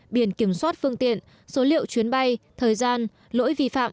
biển kiểm soát phương tiện số liệu chuyến bay thời gian lỗi vi phạm